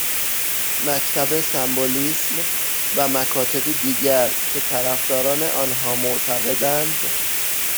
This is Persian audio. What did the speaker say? مکتب سمبولیسم و مکاتبی دیگر که طرفداران آنها معتقدند